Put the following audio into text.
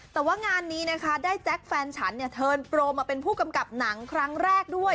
แต่ว่างานนี้นะคะได้แจ็คแฟนฉันเนี่ยเทิร์นโปรมาเป็นผู้กำกับหนังครั้งแรกด้วย